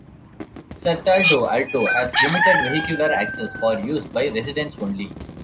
Certaldo Alto has limited vehicular access, for use by residents only.